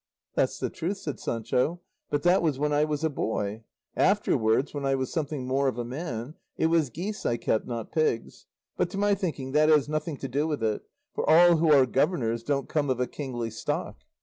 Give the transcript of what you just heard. "That's the truth," said Sancho; "but that was when I was a boy; afterwards when I was something more of a man it was geese I kept, not pigs. But to my thinking that has nothing to do with it; for all who are governors don't come of a kingly stock."